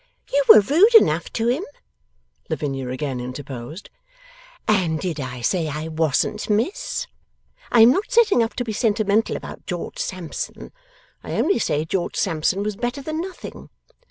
'You were rude enough to him,' Lavinia again interposed. 'And did I say I wasn't, miss? I am not setting up to be sentimental about George Sampson. I only say George Sampson was better than nothing.